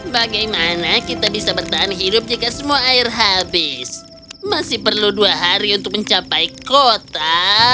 bagaimana kita bisa bertahan hidup jika semua air habis masih perlu dua hari untuk mencapai kota